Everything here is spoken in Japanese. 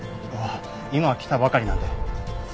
今来たばかりなんで。